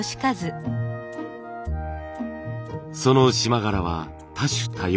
その縞柄は多種多様。